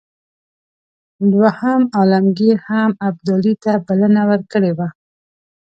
دوهم عالمګیر هم ابدالي ته بلنه ورکړې وه.